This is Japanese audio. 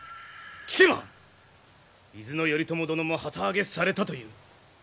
聞けば伊豆の頼朝殿も旗揚げされたという。